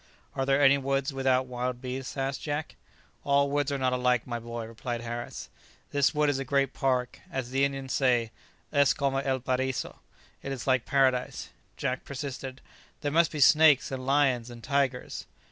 "Are there any woods without wild beasts?" asked Jack. "All woods are not alike, my boy," replied Harris; "this wood is a great park. As the Indians say, 'Es como el Pariso;' it is like Paradise." Jack persisted, "There must be snakes, and lions, and tigers."